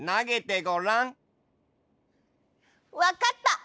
わかった！